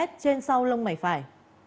trên sau lông mẩy phải